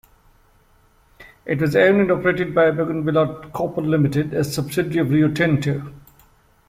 It was owned and operated by Bougainville Copper Limited, a subsidiary of Rio Tinto.